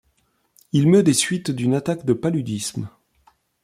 Il meut des suites d’une attaque de paludisme.